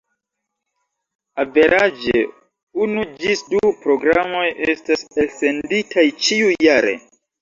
Averaĝe unu ĝis du programoj estas elsenditaj ĉiujare.